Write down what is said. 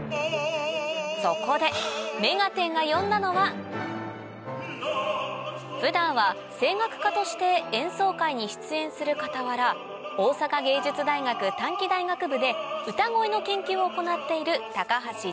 そこで『目がテン！』が呼んだのは普段は声楽家として演奏会に出演する傍ら大阪芸術大学短期大学部で歌声の研究を行っている